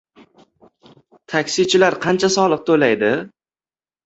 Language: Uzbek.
Taksichilar qancha soliq to‘laydi?